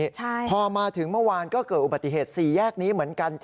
ใช่พอมาถึงเมื่อวานก็เกิดอุบัติเหตุ๔แยกนี้เหมือนกัน